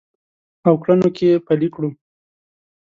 او کړنو کې پلي کړو